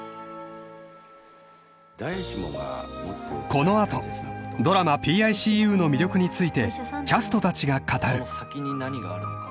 ［この後ドラマ『ＰＩＣＵ』の魅力についてキャストたちが語る］